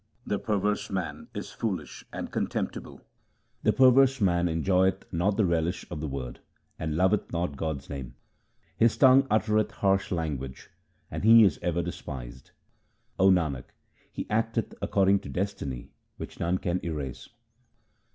The perverse man is foolish and contemptible :— The perverse man enjoyeth not the relish of the Word, and loveth not God's name. His tongue uttereth harsh language ; and he is ever despised. O Nanak, he acteth according to destiny which none can erase.